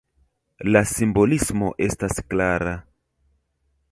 La simbolismo estas klara.